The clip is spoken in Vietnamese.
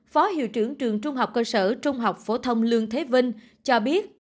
phó hiệu trưởng trường trung học cơ sở trung học phổ thông lương thế vinh cho biết